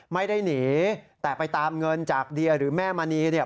ไม่ได้หนีแต่ไปตามเงินจากเดียหรือแม่มณีเนี่ย